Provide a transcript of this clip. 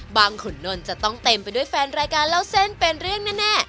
ขุนนท์จะต้องเต็มไปด้วยแฟนรายการเล่าเส้นเป็นเรื่องแน่